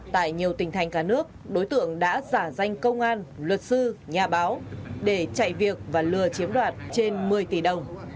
tại nhiều tỉnh thành cả nước đối tượng đã giả danh công an luật sư nhà báo để chạy việc và lừa chiếm đoạt trên một mươi tỷ đồng